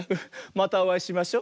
またおあいしましょ。